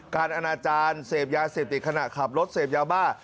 การอนาจารย์เสพยาเสพติดขณะขับรถเสพยาบ้า